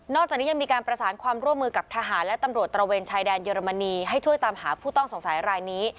จากนี้ยังมีการประสานความร่วมมือกับทหารและตำรวจตระเวนชายแดนเยอรมนีให้ช่วยตามหาผู้ต้องสงสัยรายนี้